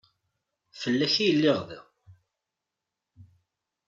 Fell-ak ay lliɣ da.